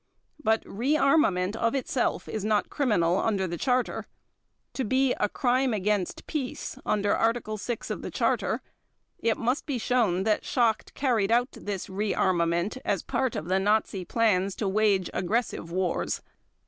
But rearmament of itself is not criminal under the Charter. To be a Crime against Peace under Article 6 of the Charter it must be shown that Schacht carried out this rearmament as part of the Nazi plans to wage aggressive wars.